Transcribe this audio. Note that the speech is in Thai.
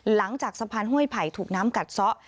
หลังจากสะพานห้วยไผ่ถูกน้ำกัดซะ